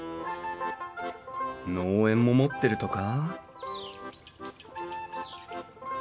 農園も持ってるとか？